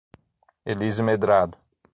Elísio Medrado